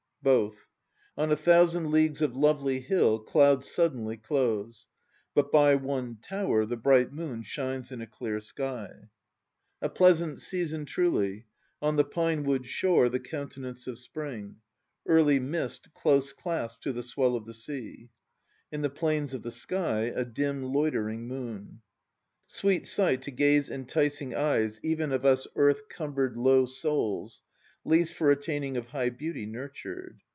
BOTH. "On a thousand leagues of lovely hill clouds suddenly close; But by one tower the bright moon shines in a clear sky." * A pleasant season, truly: on the pine wood shore The countenance of Spring; Early mist close clasped to the swell of the sea; In the plains of the sky a dim, loitering moon. Sweet sight, to gaze enticing Eyes even of us earth cumbered Low souls, least for attaining Of high beauty nurtured.